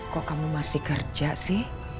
kok kamu masih kerja sih